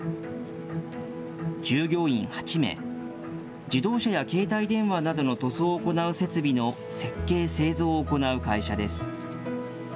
従業員８名、自動車や携帯電話などの塗装を行う設備の設計・製造を行う会社です。